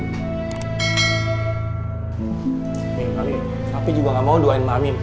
tapi tapi tapi juga gak mau doain mami